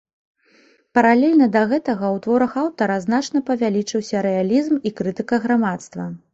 Паралельна да гэтага ў творах аўтара значна павялічыўся рэалізм і крытыка грамадства.